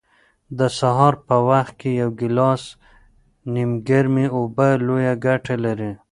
د سهار په وخت کې یو ګیلاس نیمګرمې اوبه لویه ګټه لري.